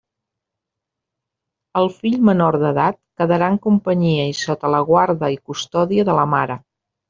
El fill menor d'edat quedarà en companyia i sota la guarda i custòdia de la mare.